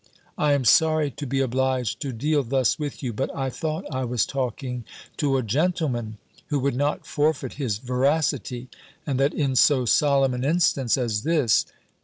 I am sorry to be obliged to deal thus with you. But I thought I was talking to a gentleman who would not forfeit his veracity; and that in so solemn an instance as this!"